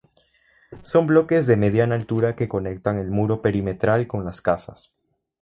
Son bloques de mediana altura que conectan el Muro Perimetral con las casas.